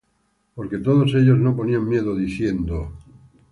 Porque todos ellos nos ponían miedo, diciendo: